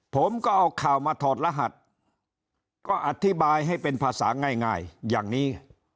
ผมก็เอาข่าวมาถอดรหัสก็อธิบายให้เป็นภาษาง่ายอย่างนี้